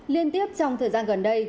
liên tiếp trong thời gian gần đây